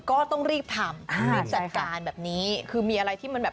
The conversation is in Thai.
ก็ต้องรีบทำรีบจัดการแบบนี้คือมีอะไรที่มันแบบ